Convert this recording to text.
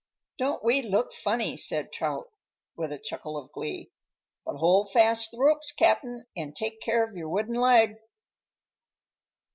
"Don't we look funny?" said Trot, with a chuckle of glee. "But hold fast the ropes, Cap'n, an' take care of your wooden leg."